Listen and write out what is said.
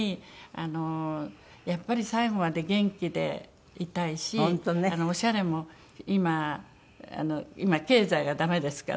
やっぱり最後まで元気でいたいしオシャレも今今経済がダメですから私。